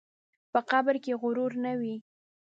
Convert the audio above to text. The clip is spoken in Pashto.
په قبر کې غرور نه وي.